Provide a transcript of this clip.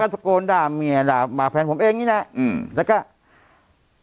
รักษากลด่าเมียด่าแฟนผมเองยังไง